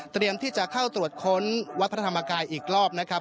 ที่จะเข้าตรวจค้นวัดพระธรรมกายอีกรอบนะครับ